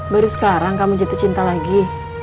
baru sekarang kamu jatuh cinta lagi